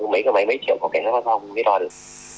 mấy cái máy mấy triệu có kẻ nó có do không có kẻ đo được